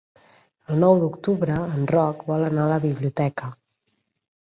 El nou d'octubre en Roc vol anar a la biblioteca.